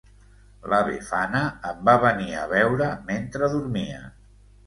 La Befana em va venir a veure mentre dormia.